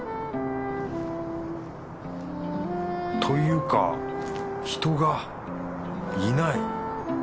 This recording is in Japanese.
というか人がいない。